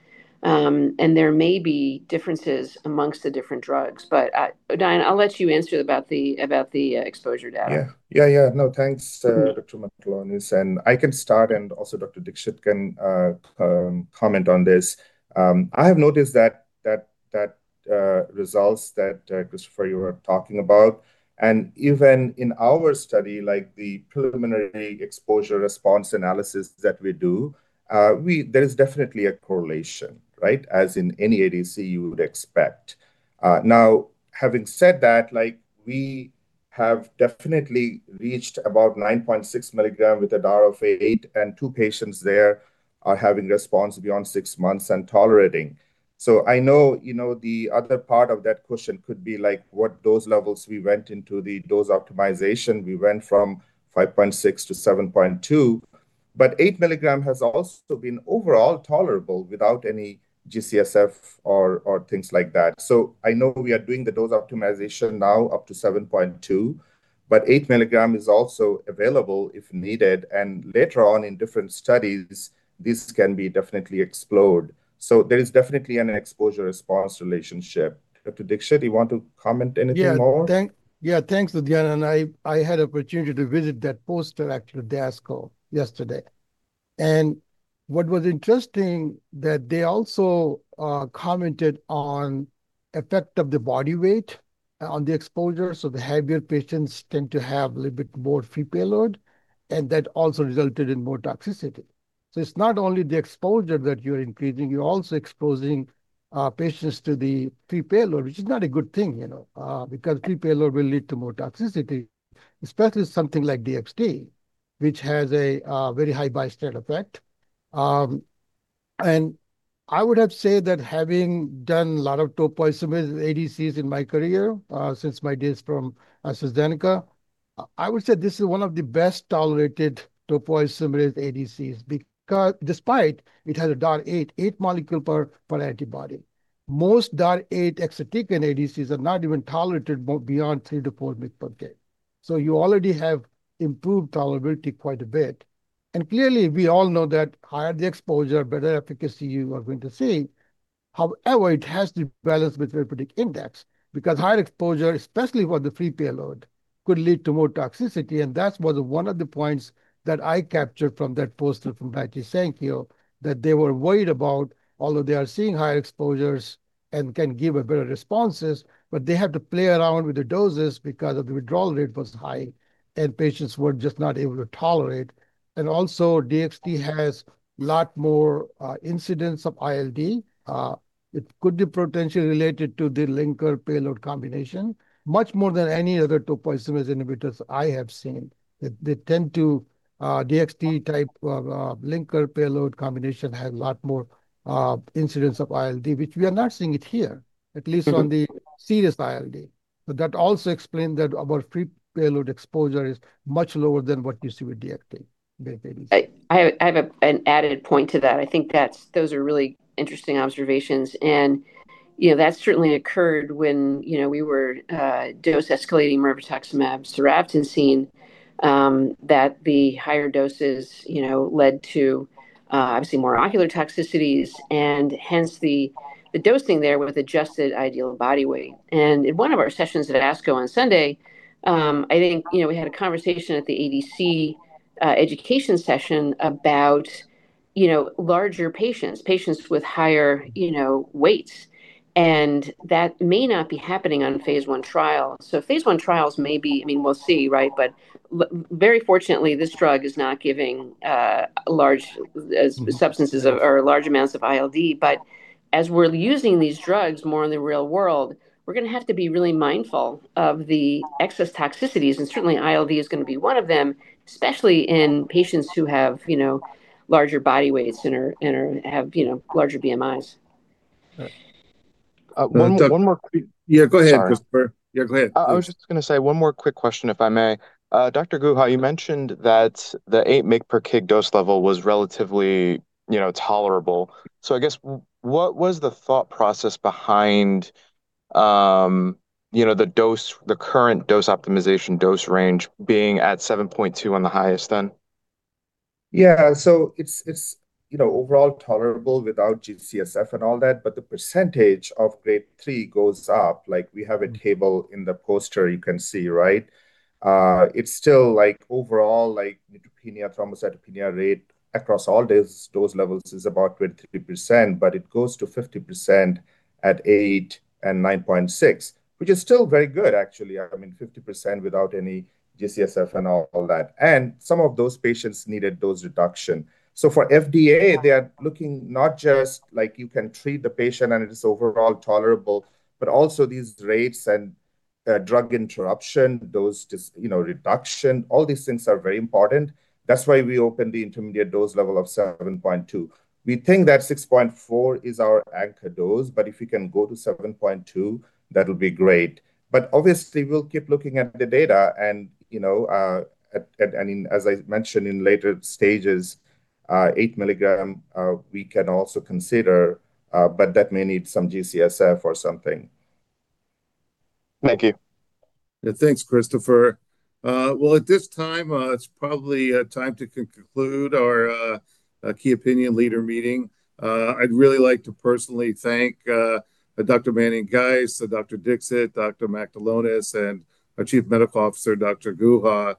There may be differences amongst the different drugs. Udayan, I'll let you answer about the exposure data. Yeah. No, thanks, Dr. Matulonis. I can start, and also Dr. Dixit can comment on this. I have noticed that results that, Christopher, you were talking about, and even in our study, like the preliminary exposure response analysis that we do, there is definitely a correlation. As in any ADC you would expect. Now, having said that, we have definitely reached about 9.6 mg with a DAR of eight, and two patients there are having response beyond six months and tolerating. I know, the other part of that question could be what dose levels we went into the dose optimization. We went from 5.6 mg-7.2 mg, but 8 mg has also been overall tolerable without any G-CSF or things like that. I know we are doing the dose optimization now up to 7.2 mg, but 8 mg is also available if needed. Later on in different studies, this can be definitely explored. There is definitely an exposure-response relationship. Dr. Dixit, you want to comment anything more? Yeah. Thanks, Udayan, I had opportunity to visit that poster actually at the ASCO yesterday. What was interesting that they also commented on effect of the body weight on the exposure. The heavier patients tend to have a little bit more free payload, and that also resulted in more toxicity. It's not only the exposure that you're increasing, you're also exposing patients to the free payload, which is not a good thing. Because free payload will lead to more toxicity, especially something like DXd, which has a very high bystander effect. I would have said that having done a lot of topoisomerase ADCs in my career, since my days from AstraZeneca, I would say this is one of the best-tolerated topoisomerase ADCs despite it has a DAR8, eight molecule per antibody. Most DAR8 exatecan ADCs are not even tolerated beyond three to four mg/kg. You already have improved tolerability quite a bit. Clearly, we all know that higher the exposure, better efficacy you are going to see. However, it has to be balanced with therapeutic index, because higher exposure, especially for the free payload, could lead to more toxicity. That was one of the points that I captured from that poster from BioNTech, that they were worried about, although they are seeing higher exposures and can give a better responses, but they have to play around with the doses because of the withdrawal rate was high, and patients were just not able to tolerate. Also, DXd has lot more incidents of ILD. It could be potentially related to the linker payload combination much more than any other topoisomerase inhibitors I have seen. DXd type of linker payload combination has lot more incidents of ILD, which we are not seeing it here, at least on the serious ILD. That also explained that our free payload exposure is much lower than what you see with DXd-based ADC. I have an added point to that. I think those are really interesting observations. That certainly occurred when we were dose escalating mirvetuximab soravtansine, that the higher doses led to obviously more ocular toxicities and hence the dosing there was adjusted ideal body weight. In one of our sessions at ASCO on Sunday, I think we had a conversation at the ADC education session about larger patients with higher weights. That may not be happening on phase I trial. Phase I trials may be, we'll see. Very fortunately, this drug is not giving large substances or large amounts of ILD. As we're using these drugs more in the real world, we're going to have to be really mindful of the excess toxicities, and certainly ILD is going to be one of them, especially in patients who have larger body weights and have larger BMIs. One more- Yeah, go ahead, Christopher. Yeah, go ahead. I was just going to say one more quick question, if I may. Dr. Guha, you mentioned that the 8 mg per kg dose level was relatively tolerable. I guess what was the thought process behind the current dose optimization dose range being at 7.2 mg on the highest then? It's overall tolerable without G-CSF and all that. The percentage of Grade 3 goes up. We have a table in the poster you can see. It's still overall, like neutropenia, thrombocytopenia rate across all dose levels is about 23%. It goes to 50% at 8 mg and 9.6 mg, which is still very good, actually. I mean, 50% without any G-CSF and all that. Some of those patients needed dose reduction. For FDA, they are looking not just like you can treat the patient and it is overall tolerable, but also these rates and drug interruption, dose reduction, all these things are very important. That's why we opened the intermediate dose level of 7.2 mg. We think that 6.4 mg is our anchor dose. If we can go to 7.2 mg, that'll be great. Obviously, we'll keep looking at the data and as I mentioned in later stages, 8 mg, we can also consider, but that may need some G-CSF or something. Thank you. Yeah. Thanks, Christopher. Well, at this time, it's probably time to conclude our key opinion leader meeting. I'd really like to personally thank Dr. Manning-Geist, Dr. Dixit, Dr. Matulonis, and our Chief Medical Officer, Dr. Guha,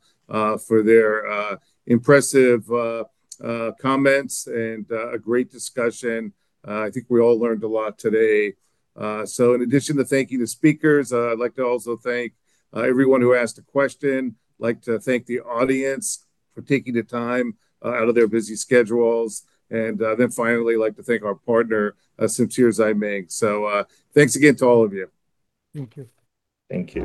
for their impressive comments and a great discussion. I think we all learned a lot today. In addition to thanking the speakers, I'd like to also thank everyone who asked a question. I'd like to thank the audience for taking the time out of their busy schedules. Finally, I'd like to thank our partner, Centaurus IM. Thanks again to all of you. Thank you. Thank you.